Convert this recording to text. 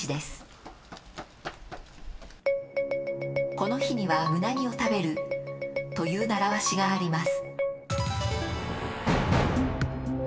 この日にはうなぎを食べるという習わしがあります。